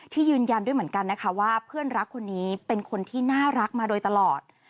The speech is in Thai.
ยืนยันด้วยเหมือนกันนะคะว่าเพื่อนรักคนนี้เป็นคนที่น่ารักมาโดยตลอด